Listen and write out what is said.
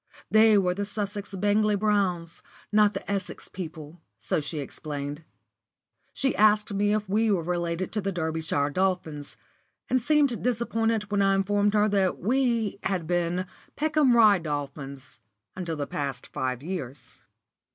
They were the Sussex Bangley Browns, not the Essex people, so she explained. She asked me if we were related to the Derbyshire Dolphins, and seemed disappointed when I informed her that we had been Peckham Rye Dolphins until the past five years.